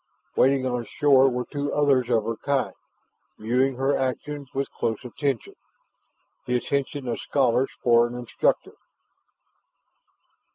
Waiting on shore were two others of her kind, viewing her actions with close attention, the attention of scholars for an instructor.